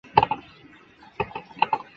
张謇的父亲为张彭年。